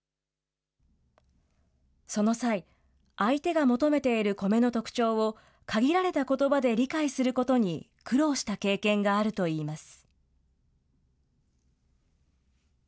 その際、相手が求めているコメの特徴を限られたことばで理解することに苦労した経験があるといいます。